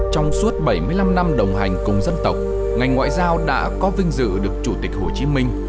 trong suốt bảy mươi năm năm đồng hành cùng dân tộc ngành ngoại giao đã có vinh dự được chủ tịch hồ chí minh